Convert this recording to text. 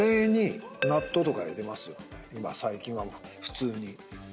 最近は普通に。